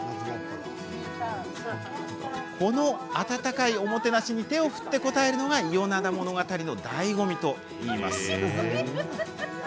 この温かいおもてなしに手を振って応えるのが伊予灘ものがたりのだいご味といいます。